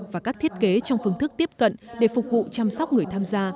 và các thiết kế trong phương thức tiếp cận để phục vụ chăm sóc người tham gia